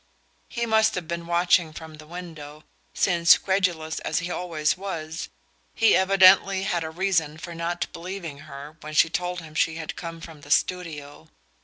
He must have been watching from the window, since, credulous as he always was, he evidently had a reason for not believing her when she told him she had come from the studio.